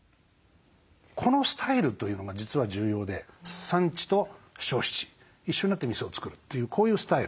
このスタイルというのが実は重要で産地と消費地一緒になって店を作るというこういうスタイル。